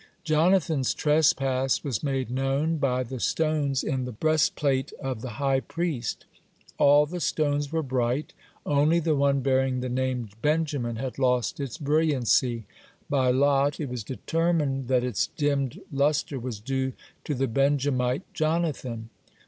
Jonathan's trespass was made know by the stones in the breastplate of the high priest. All the stones were bright, only the one bearing the name Benjamin had lost its brilliancy. By lot it was determined that its dimmed lustre was due to the Benjamite Jonathan.